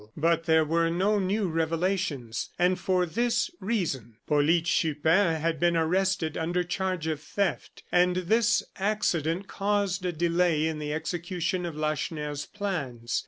But there were no new revelations, and for this reason: Polyte Chupin had been arrested under charge of theft, and this accident caused a delay in the execution of Lacheneur's plans.